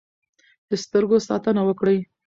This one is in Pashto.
د سترګو ساتنه وکړئ.